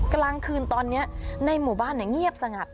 กลางคืนตอนนี้ในหมู่บ้านเงียบสงัด